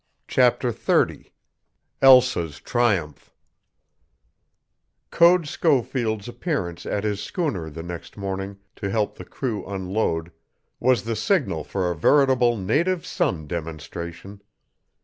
CHAPTER XXX ELSA'S TRIUMPH Code Schofield's appearance at his schooner the next morning to help the crew unload was the signal for a veritable native son demonstration.